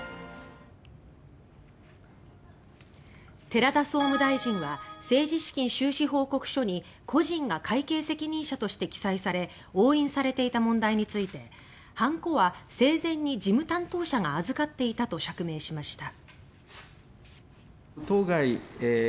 寺田総務大臣は政治資金収支報告書に故人が会計責任者として記載され押印されていた問題についてハンコは生前に事務担当者が預かっていたものだと釈明しました。